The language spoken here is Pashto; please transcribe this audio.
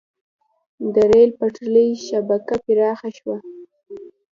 د ریل پټلۍ شبکه پراخه شوه.